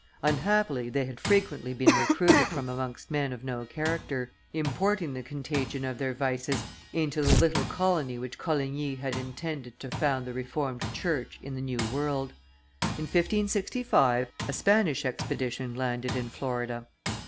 Unhappily they had frequently been recruited from amongst men of no character, importing the contagion of their vices into the little colony which Coligny had intended to found the Reformed church in the new world. In 1565 a Spanish expedition landed in Florida.